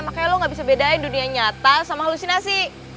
makanya lo gak bisa bedain dunia nyata sama halusinasi